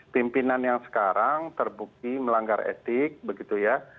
pimpinan yang sekarang terbukti melanggar etik begitu ya